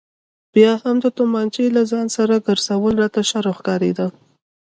بیا هم د تومانچې له ځانه سره ګرځول راته شرم ښکارېده.